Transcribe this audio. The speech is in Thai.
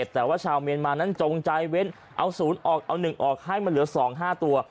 แต่ว่าชาวเมียนมานั้นจงใจเว้นเอา๐ออกเอา๑ออกให้มันเหลือ๒๕ตัว